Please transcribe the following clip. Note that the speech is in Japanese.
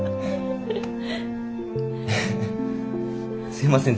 すいません